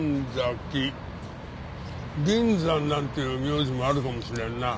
銀山なんていう名字もあるかもしれんな。